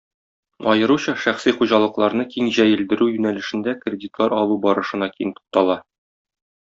Аеруча шәхси хуҗалыкларны киң җәелдерү юнәлешендә кредитлар алу барышына киң туктала.